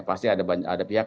pasti ada pihak